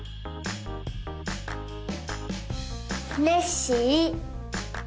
ネッシー。